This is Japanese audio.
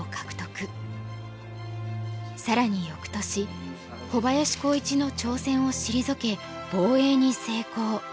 更に翌年小林光一の挑戦を退け防衛に成功。